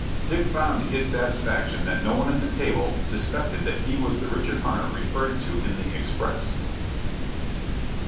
Dick found to his satisfaction that no one at the table suspected that he was the Richard Hunter referred to in the "Express."